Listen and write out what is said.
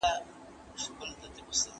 کمپيوټر فايل جوړوي.